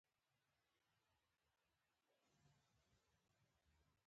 احمدشاه بابا د افغانستان د عزت نښه ده.